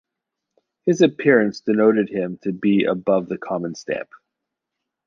His appearance denoted him to be above the Common Stamp.